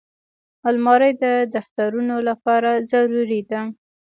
الماري د دفترونو لپاره ضروري ده